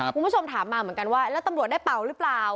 คุณผู้ชมถามมาเหมือนกันว่าแล้วตำรวจได้เป่าหรือเปล่า